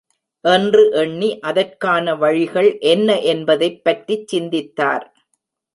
என்று எண்ணி அதற்கான வழிகள் என்ன என்பதைப் பற்றிச் சிந்தித்தார்.